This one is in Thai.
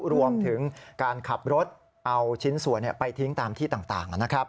รวมถึงการขับรถเอาชิ้นส่วนไปทิ้งตามที่ต่างนะครับ